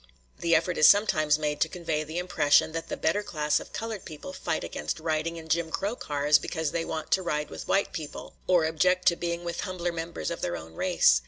The effort is sometimes made to convey the impression that the better class of colored people fight against riding in "Jim Crow" cars because they want to ride with white people or object to being with humbler members of their own race.